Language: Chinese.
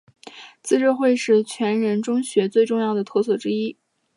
自治会是全人中学很重要的特色之一。